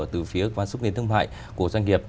từ phía cơ quan xúc tiến thương mại của doanh nghiệp